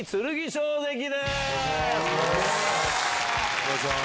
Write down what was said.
お願いします。